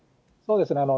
そうですね。